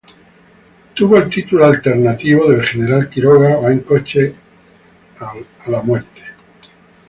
Tuvo el título alternativo de "El general Quiroga va en coche al muere".